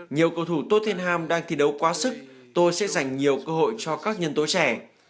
nhiều cầu thủ tottenham đang thi đấu quá sức tôi sẽ dành nhiều cơ hội cho các nhân tố trẻ